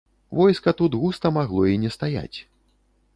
Войска тут густа магло і не стаяць.